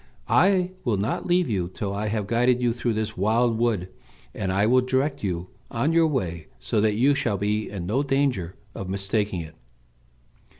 I will not leave you till I have guided you through this wild wood, and I will direct you on your way so that you shall be in no danger of mistaking it."